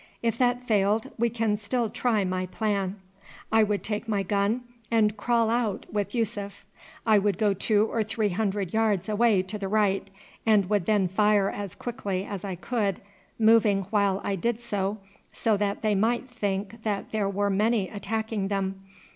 If that failed, we can still try my plan. I would take my gun and crawl out with Yussuf. I would go two or three hundred yards away to the right, and would then fire as quickly as I could, moving while I did so; so that they might think that there were many attacking them.